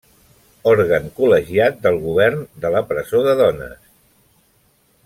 Òrgan col·legiat del govern de la Presó de Dones.